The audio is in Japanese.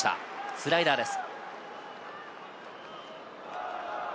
スライダーです。